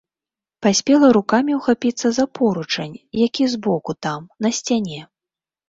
Паспела рукамі ўхапіцца за поручань, які з боку там, на сцяне.